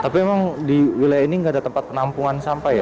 tapi memang di wilayah ini nggak ada tempat penampungan sampah ya